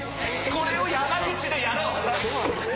これを山口でやろう！